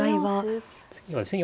次はですね